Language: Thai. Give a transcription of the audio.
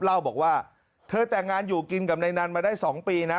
เล่าบอกว่าเธอแต่งงานอยู่กินกับนายนันมาได้๒ปีนะ